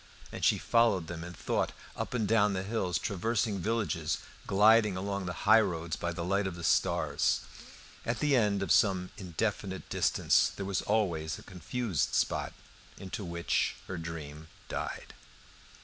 And she followed them in thought up and down the hills, traversing villages, gliding along the highroads by the light of the stars. At the end of some indefinite distance there was always a confused spot, into which her dream died.